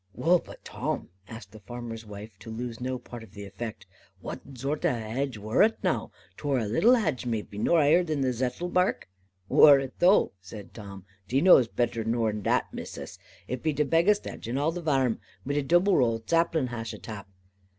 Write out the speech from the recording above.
"Wull, but Tim," asked the farmer's wife, to lose no part of the effect, "what zort of a hadge wor it now? Twor a little hadge maybe, no haigher nor the zettle barck." "Wor it though?" said Tim, "thee knows better nor that, Missus. It be the beggest hadge on arl the varm, wi' a double row of saplin hash atap.